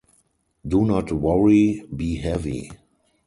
Do not worry, be heavy.